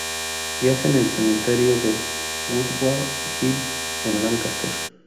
Yace en el Cementerio de Woodward Hill, en Lancaster.